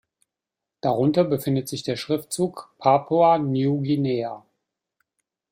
Darunter befindet sich der Schriftzug „Papua New Guinea“.